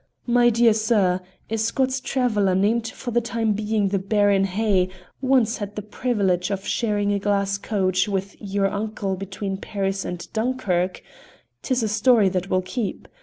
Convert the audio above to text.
My dear sir, a Scots traveller named for the time being the Baron Hay once had the privilege of sharing a glass coach with your uncle between Paris and Dunkerque; 'tis a story that will keep.